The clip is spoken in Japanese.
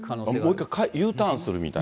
もう、一回Ｕターンするみたいな。